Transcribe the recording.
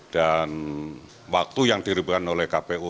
dan waktu yang diribukan oleh kpu